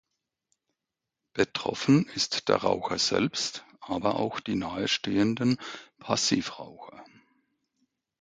Betroffen ist der Raucher selbst, aber auch die nahestehenden Passivraucher.